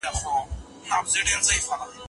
يه ليلو! په ما به سپينه ورځ ماښام كړې